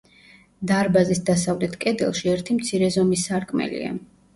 დარბაზის დასავლეთ კედელში ერთი მცირე ზომის სარკმელია.